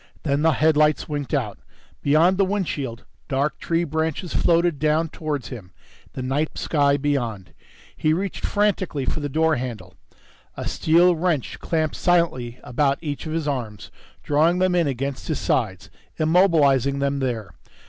Then the headlights winked out. Beyond the windshield, dark tree branches floated down towards him, the night sky beyond. He reached frantically for the door handle. A steel wrench clamped silently about each of his arms, drawing them in against his sides, immobilizing them there.